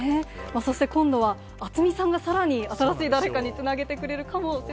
そして、今度は渥美さんがさらに新しい誰かにつなげてくれるかもしれない。